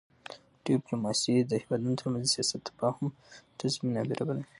ډیپلوماسي د هېوادونو ترمنځ د سیاست تفاهم ته زمینه برابروي.